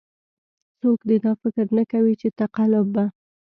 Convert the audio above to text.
څوک دې دا فکر نه کوي چې تقلب به.